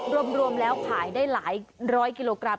รวมแล้วขายได้หลายร้อยกิโลกรัม